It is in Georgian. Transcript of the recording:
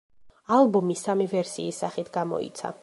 ალბომი სამი ვერსიის სახით გამოიცა.